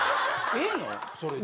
ええのそれで？